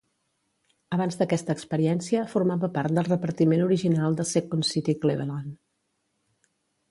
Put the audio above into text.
Abans d'aquesta experiència, formava part del repartiment original de Second City Cleveland.